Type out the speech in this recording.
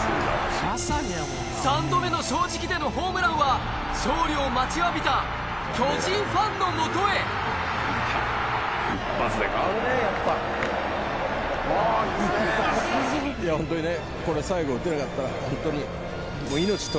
でのホームランは勝利を待ちわびた巨人ファンの元へいやホントにね。